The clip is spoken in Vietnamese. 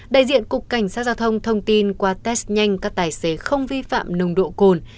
đại diện cục cảnh sát giao thông thông tin qua test nhanh các tài xế không vi phạm nồng độ cồn